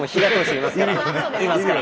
いますから。